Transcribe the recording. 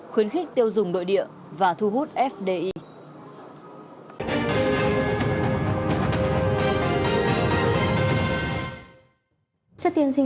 khuyến khích tiêu dùng nội địa và thu hút fdi